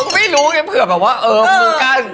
ไม่รู้ไงเผื่อแบบว่าเออมึงกั้น